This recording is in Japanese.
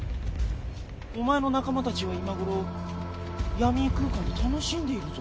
お前の仲間たちは今頃ヤミー空間で楽しんでいるぞ。